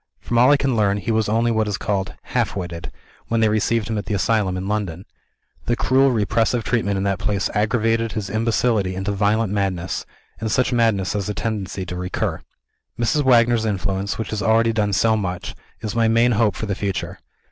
From all I can learn, he was only what is called "half witted," when they received him at the asylum in London. The cruel repressive treatment in that place aggravated his imbecility into violent madness and such madness has a tendency to recur. Mrs. Wagner's influence, which has already done so much, is my main hope for the future.